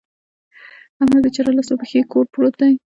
احمد بېچاره لاس و پښې کور پروت دی.